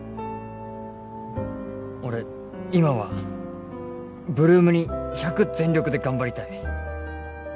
俺今は ８ＬＯＯＭ に１００全力で頑張りたい